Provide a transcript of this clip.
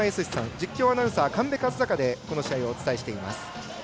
実況アナウンサー神戸和貴でこの試合、お伝えしています。